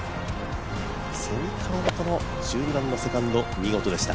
蝉川の１２番のセカンド、見事でした。